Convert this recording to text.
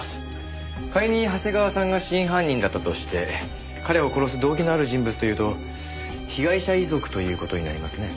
仮に長谷川さんが真犯人だったとして彼を殺す動機のある人物というと被害者遺族という事になりますね。